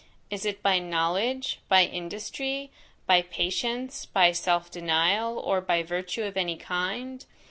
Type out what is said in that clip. Is it by knowledge, by industry, by patience, by self denial, or by virtue of any kind?